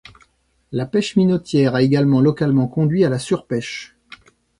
La pêche minotière a également localement conduit à la surpêche.